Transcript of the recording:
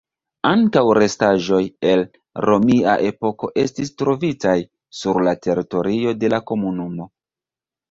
Ankaŭ restaĵoj el romia epoko estis trovitaj sur la teritorio de la komunumo.